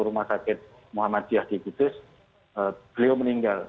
satu rumah sakit muhammadiyah di gugus beliau meninggal